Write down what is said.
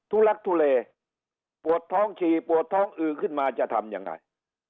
ลักทุเลปวดท้องฉี่ปวดท้องอือขึ้นมาจะทำยังไง